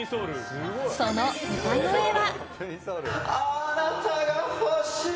その歌声は。